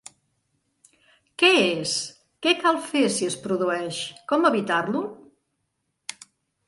Què és, què cal fer si es produeix, com evitar-lo?